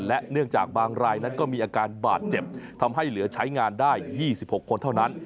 และเนื่องจากบางรายนั้นก็มีอาการบาดเจ็บทำให้เหลือใช้งานได้๒๖คนเท่านั้น